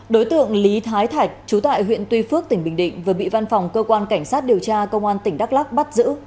đối tượng lý thái thạch trú tại huyện tuy phước tỉnh bình định vừa bị văn phòng cơ quan cảnh sát điều tra công an tỉnh đắk lắc bắt giữ